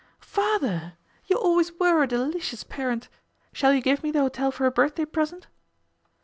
'Father, you always were a delicious parent. Shall you give me the hotel for a birthday present?